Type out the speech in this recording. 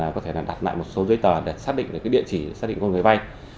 chỉ cần đặt lại một số giấy tờ để xác định địa chỉ xác định con người vay